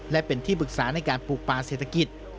และเป็นที่ปรึกษาในการปลูกป่าเศรษฐกิจ